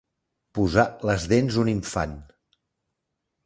Posar les dents un infant.